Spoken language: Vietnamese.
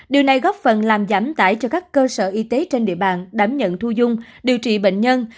điều này góp phần làm giảm tải cho các cơ sở y tế trên địa bàn đảm nhận thu dung điều trị bệnh nhân